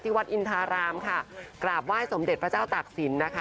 วัดอินทารามค่ะกราบไห้สมเด็จพระเจ้าตากศิลป์นะคะ